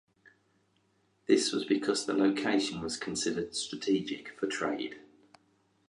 This was because the location was considered strategic for trade.